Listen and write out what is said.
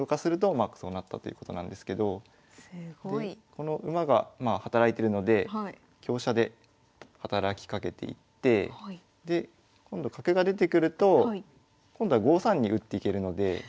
この馬が働いてるので香車で働きかけていってで今度角が出てくると今度は５三に打っていけるので。